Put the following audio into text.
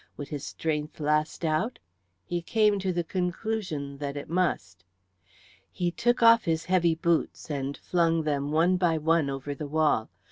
Would his strength last out? He came to the conclusion that it must. He took off his heavy boots and flung them one by one over the wall.